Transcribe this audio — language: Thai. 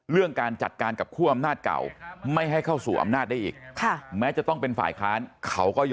เรื่องการจัดการกับคั่วอำนาจเก่าไม่ให้เข้าสู่อำนาจได้อีก